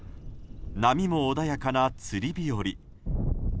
波も穏やかな釣り日和。